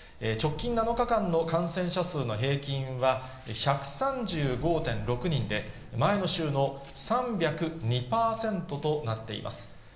直近７日間の感染者数の平均は、１３５．６人で、前の週の３０２％となっています。